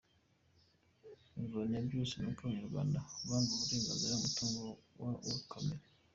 Imvano ya byose ni uko umunyarwanda yambuwe ubureganzira ku mutungo we kamere.